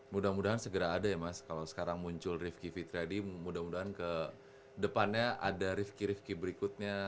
mudah mudahan segera ada ya mas kalau sekarang muncul rifqi fitri hadi mudah mudahan ke depannya ada rifqi rifqi berikutnya